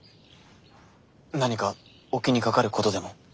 何かお気にかかることでも？